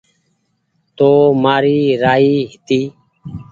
تو مآري رآئي هيتي